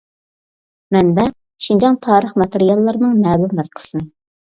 مەنبە: شىنجاڭ تارىخ ماتېرىياللىرىنىڭ مەلۇم بىر قىسمى.